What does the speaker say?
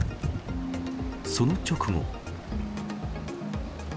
その直後。